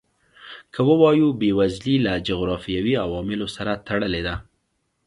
که ووایو بېوزلي له جغرافیوي عواملو سره تړلې ده.